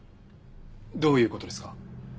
どういう事ですか？